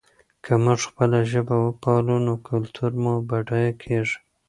که موږ خپله ژبه وپالو نو کلتور مو بډایه کېږي.